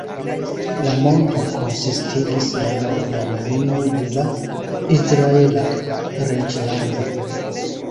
La monto konsistigis la nordan limon de la Izraela reĝlando.